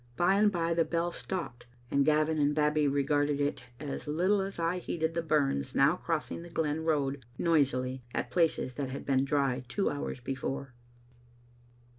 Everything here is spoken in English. By and by the bell stopped, and Gavin and Babbie regarded it as little as I heeded the bums now crossing the glen road noisily at places that had been dry two hours before.